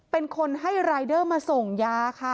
เป็นคนให้รายเดอร์มาส่งยาค่ะ